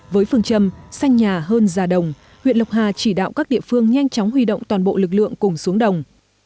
với phương châm xanh nhà hơn già đồng huyện lộc hà chỉ đạo các địa phương nhanh chóng huy động toàn bộ lực lượng cùng xuống đồng